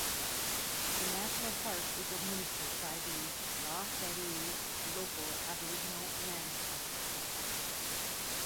The national park is administered by the "La Perouse Local Aboriginal Land Council".